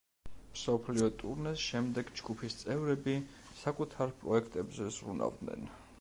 მსოფლიო ტურნეს შემდეგ ჯგუფის წევრები საკუთარ პროექტებზე ზრუნავდნენ.